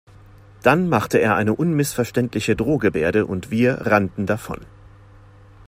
Dann machte er eine unmissverständliche Drohgebärde und wir rannten davon.